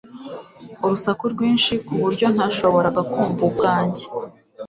Urusaku rwinshi kuburyo ntashoboraga kumva ubwanjye